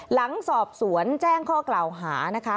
หลังสอบสวนแจ้งข้อกล่าวหานะคะ